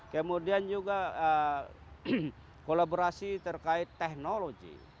kemudian juga kolaborasi terkait teknologi